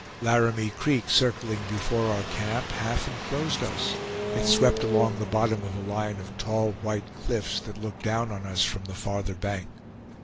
Laramie Creek, circling before our camp, half inclosed us; it swept along the bottom of a line of tall white cliffs that looked down on us from the farther bank.